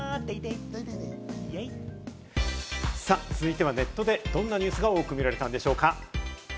続いてはネットでどんなニュースが多く見られたんでしょうか？